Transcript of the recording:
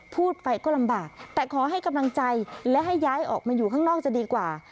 พูดไปก็ลำบากแต่ขอให้กำลังใจและให้ย้ายออกมาอยู่ข้างนอกจะดีกว่า